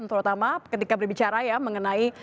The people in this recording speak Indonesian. terutama ketika berbicara ya mengenai